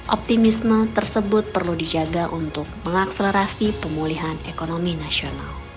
optimisme tersebut perlu dijaga untuk mengakselerasi pemulihan ekonomi nasional